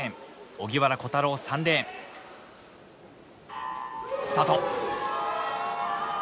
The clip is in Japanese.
荻原虎太郎３レーン。スタート。